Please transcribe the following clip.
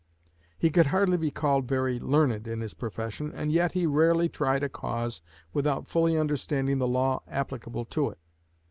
He could hardly be called very learned in his profession, and yet he rarely tried a cause without fully understanding the law applicable to it.